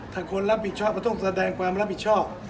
ถ้าคนรับผิดชอบก็ต้องแสดงความรับผิดชอบ